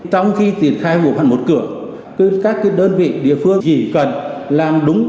trong khi triển khai bộ phận một cửa các đơn vị địa phương chỉ cần làm đúng